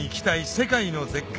世界の絶景」